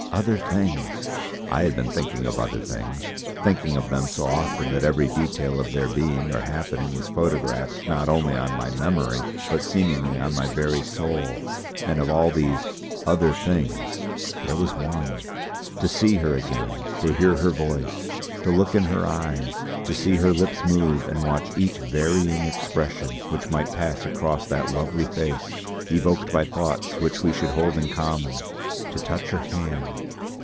'Other things!' I had been thinking of other things; thinking of them so often that every detail of their being or happening was photographed not only on my memory but seemingly on my very soul. And of all these 'other things' there was one!!... To see her again; to hear her voice; to look in her eyes; to see her lips move and watch each varying expression which might pass across that lovely face, evoked by thoughts which we should hold in common; to touch her hand....